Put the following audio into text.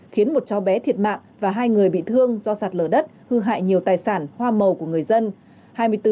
khiến một cháu bé thiệt mạng và hai người bị thương do sạt lở đất hư hại nhiều tài sản hoa màu của người dân